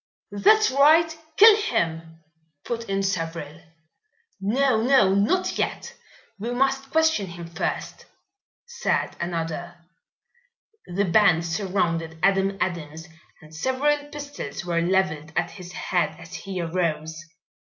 "That's right, kill him!" put in several. "No! no! not yet. We must question him first," said another. The band surrounded Adam Adams and several pistols were leveled at his head as he arose.